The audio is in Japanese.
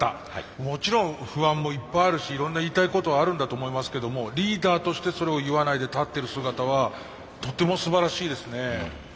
もちろん不安もいっぱいあるしいろんな言いたいことはあるんだと思いますけどもリーダーとしてそれを言わないで立ってる姿はとてもすばらしいですね。